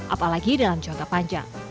apalagi dalam jangka panjang